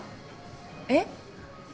えっ？